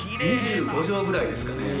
２５畳ぐらいですかね。